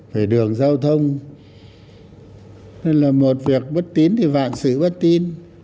về đường giao thông nên là một việc bất tín thì vạn sự bất tin